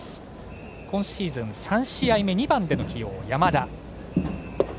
打席は今シーズン３試合目２番での起用、山田。